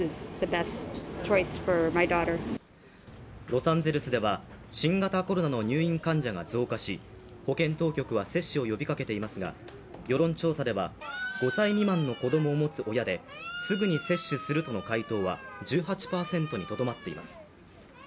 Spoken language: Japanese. ロサンゼルスでは新型コロナの入院患者が増加し、保健当局は接種を呼びかけていますが、世論調査では５歳未満の子どもを持つ親ですぐに接種するとの回答は１８％にとどまっています。